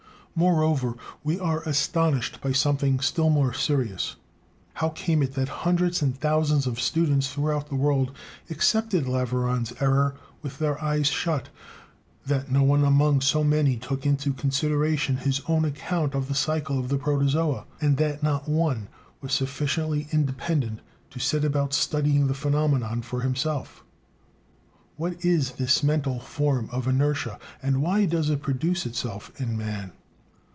Moreover, we are astonished by something still more serious: how came it that hundreds and thousands of students throughout the world accepted Laveran's error with their eyes shut, that not one among so many took into consideration on his own account the cycle of the protozoa, and that not one was sufficiently independent to set about studying the phenomenon for himself? What is this mental form of inertia? and why does it produce itself in man?